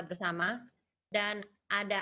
bersama dan ada